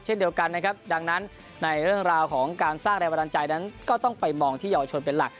เช่นเดียวกันนะครับดังนั้นในเรื่องราวของการสร้างแรงบันดาลใจนั้นก็ต้องไปมองที่เยาวชนเป็นหลัก